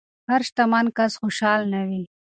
هر شتمن کس خوشحال نه وي.